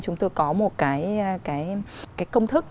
chúng tôi có một cái công thức